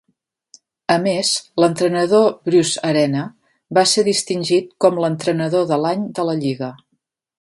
A més, l'entrenador Bruce Arena va ser distingit com l'Entrenador de l'any de la lliga.